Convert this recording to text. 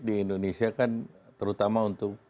di indonesia kan terutama untuk